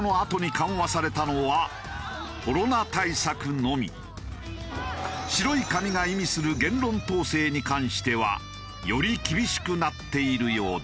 しかし白い紙が意味する言論統制に関してはより厳しくなっているようだ。